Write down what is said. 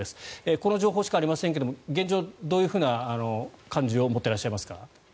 この情報しかありませんが現状、どのような感じを持っていますか。